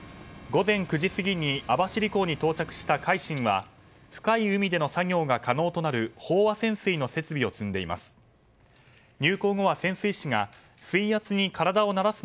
午前９時過ぎに網走港に到着した「海進」は深い海での作業が可能となる飽和潜水の設備を積んでいます。